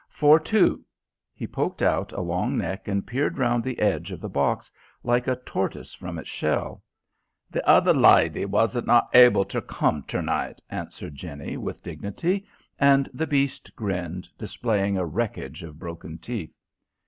"For two." He poked out a long neck and peered round the edge of the box, like a tortoise from its shell. "The other lydy wasn't not able ter come ter night," answered Jenny with dignity, and the beast grinned, displaying a wreckage of broken teeth.